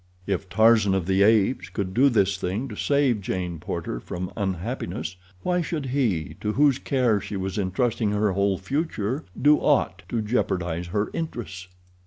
If Tarzan of the Apes could do this thing to save Jane Porter from unhappiness, why should he, to whose care she was intrusting her whole future, do aught to jeopardize her interests?